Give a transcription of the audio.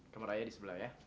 kamar ayah di sebelah ya